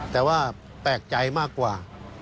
แต่ว่าแปลกใจมากกว่า